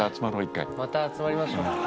また集まりましょう。